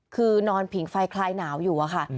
คือนอนผิงไฟคลายหนาวอยู่อะค่ะ